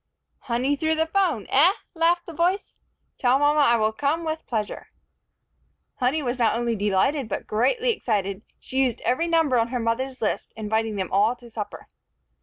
"Honey, through the phone, eh?" laughed the voice. "Tell mama I will come with pleasure." Honey was not only delighted, but greatly excited. She used every number on her mother's list, inviting them all to supper.